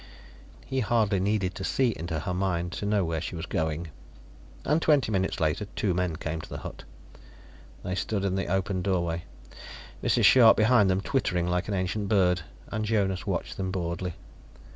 He hardly needed to see into her mind to know where she was going. And twenty minutes later two men came to the hut. They stood in the opened doorway, Mrs. Scharpe behind them twittering like an ancient bird, and Jonas watched them boredly.